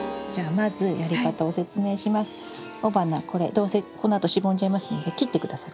どうせこのあとしぼんじゃいますので切って下さい。